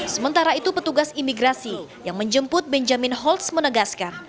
sementara itu petugas imigrasi yang menjemput benjamin holtz menegaskan